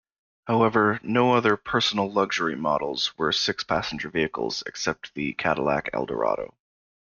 However, no other "personal luxury" models were six-passenger vehicles, except the Cadillac Eldorado.